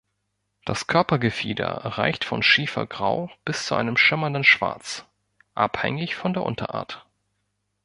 Das Körpergefieder reicht von schiefergrau bis zu einem schimmernden Schwarz, abhängig von der Unterart.